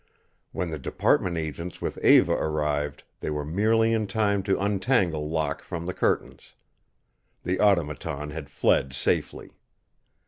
When the department agents with Eva arrived, they were merely in time to untangle Locke from the curtains. The Automaton had fled safely.